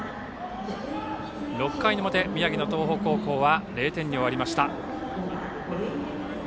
６回の表宮城の東北高校は０点に終わりました。